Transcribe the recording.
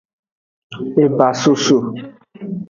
Ebasoso.